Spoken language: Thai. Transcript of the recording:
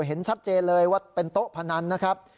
เห็นชัดเจนเลยว่าเป็นโต๊ะพนันนะครับ